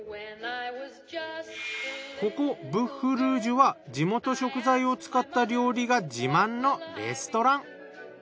ここＢＯＥＵＦＲＯＵＧＥは地元食材を使った料理が自慢のレストラン。